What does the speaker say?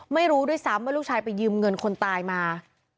ไม่รู้ด้วยซ้ำว่าลูกชายไปยืมเงินคนตายมา